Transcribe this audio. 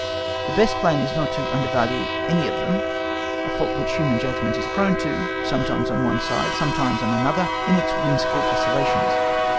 The best plan is not to undervalue any of them, a fault which human judgment is prone to, sometimes on one side, sometimes on another, in its whimsical oscillations.